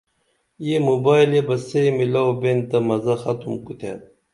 یہ موبائلے بہ سے میلاو بین تہ مزہ ختُم کُتھے